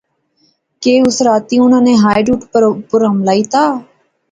کہ اسے راتی انیں نے ہائیڈ اوٹ اپر حملہ وہا